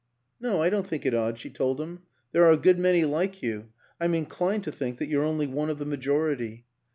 u No, I don't think it odd," she told him. " There are a good many like you I'm inclined to think that you're only one of the majority.